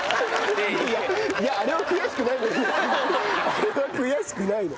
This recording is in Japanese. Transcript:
あれは悔しくないの。